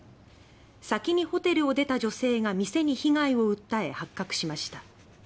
先にホテルを出た女性が店に被害を訴え発覚しました。